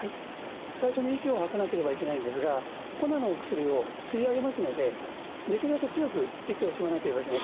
最初に息を吐かなければいけないんですが粉のお薬を吸い上げますのでできるだけ強く息を吸わなければいけません。